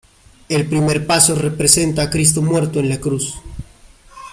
El primer paso representa a Cristo muerto en la cruz.